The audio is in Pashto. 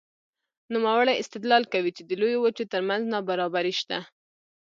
نوموړی استدلال کوي چې د لویو وچو ترمنځ نابرابري شته.